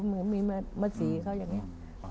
มีมัดสีเขาอย่างนี้